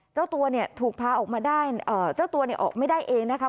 เจ้าตัวถูกพาออกมาได้เจ้าตัวออกไม่ได้เองนะครับ